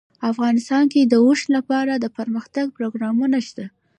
افغانستان کې د اوښ لپاره دپرمختیا پروګرامونه شته.